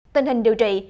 tình hình điều trị